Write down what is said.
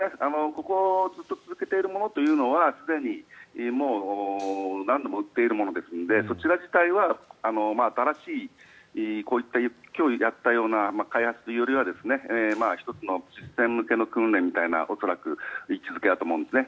ただ、ここずっと続けているものというのはすでにもう何度も撃っているものですのでそちら自体は、新しいこういった脅威であったような開発というよりは１つのシステム系の訓練みたいな位置付けだと思うんですね。